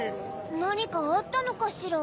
なにかあったのかしら？